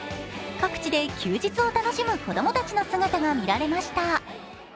各地で休日を楽しむ子供たちの姿が見られました。